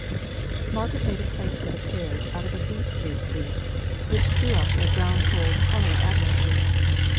Margaret made a plate for the pears out of a beet root leaf, which threw up their brown gold colour admirably.